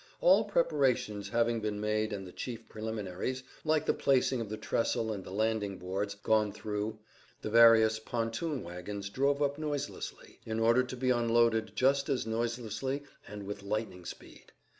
All preparations having been made and the chief preliminaries, like the placing of the trestle and the landing boards, gone through, the various pontoon wagons drove up noiselessly, in order to be unloaded just as noiselessly and with lightning speed.